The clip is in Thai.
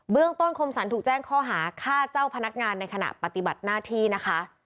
เรื่องต้นคมสรรถูกแจ้งข้อหาฆ่าเจ้าพนักงานในขณะปฏิบัติหน้าที่นะคะ